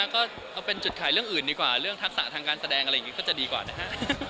ก็เอาเป็นจุดขายเรื่องอื่นดีกว่าเรื่องทักษะทางการแสดงอะไรอย่างนี้ก็จะดีกว่านะฮะ